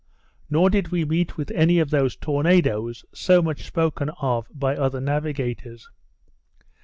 Nor did we meet with any of those tornadoes, so much spoken of by other navigators.